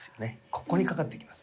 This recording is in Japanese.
ここに懸かってきます。